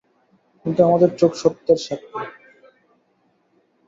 কিন্তু আমাদের চোখ সত্যের সাক্ষী।